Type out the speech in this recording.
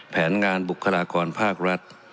แผนงานบุคลากรภาครัฐ